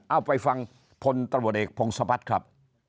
เอาไปฟังพลตำรวจเอกพงศพัฒน์ครับ